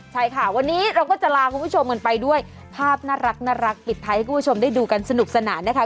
ใช่ค่ะวันนี้เราก็จะลาคุณผู้ชมกันไปด้วยภาพน่ารักปิดท้ายให้คุณผู้ชมได้ดูกันสนุกสนานนะคะ